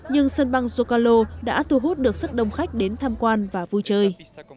nhưng sân băng zocalo đã thu hút được rất đông khách đến tham quan và vui chơi